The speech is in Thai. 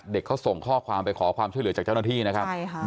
เด็กเขาส่งข้อความไปขอความช่วยเหลือจากเจ้าหน้าที่นะครับ